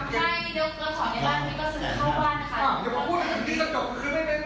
จะมาแบ่งสามอีก